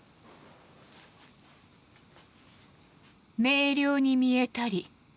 「明瞭に見えたり。